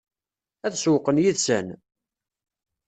Ad sewweqen yid-sen?